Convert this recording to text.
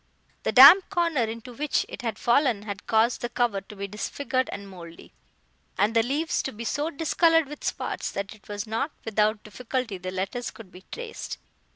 The damp corner into which it had fallen had caused the cover to be disfigured and mouldy, and the leaves to be so discoloured with spots, that it was not without difficulty the letters could be traced.